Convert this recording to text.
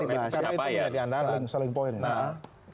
pasti akan dibahas karena itu yang diandalan